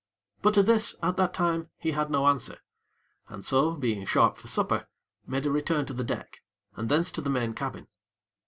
But to this, at that time, he had no answer, and so, being sharp for supper, made a return to the deck, and thence to the main cabin.